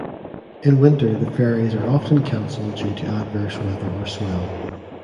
In winter the ferries are often cancelled due to adverse weather or swell.